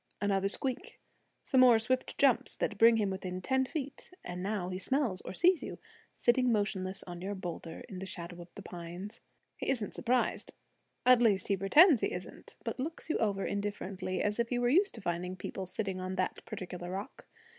Another squeak; some more swift jumps that bring him within ten feet; and now he smells or sees you, sitting motionless on your boulder in the shadow of the pines. He isn't surprised; at least he pretends he isn't; but looks you over indifferently, as if he were used to finding people sitting on that particular rock.